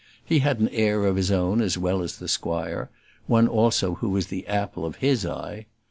He had an heir of his own as well as the squire; one also who was the apple of his eye.